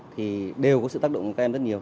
thì đều có sự tác động của các em rất nhiều